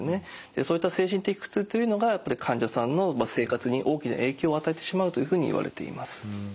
そういった精神的苦痛というのがやっぱり患者さんの生活に大きな影響を与えてしまうというふうにいわれています。